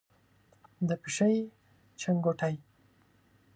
د پیشۍ چنګوټی،